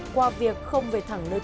qua việc không về thẳng nơi cư trú